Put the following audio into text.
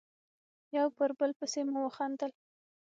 یو پر بل پسې مو خندل.